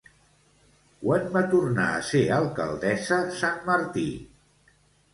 Quan va tornar a ser alcaldessa Sanmartí?